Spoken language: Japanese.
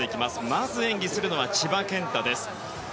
まず演技するのは千葉健太です。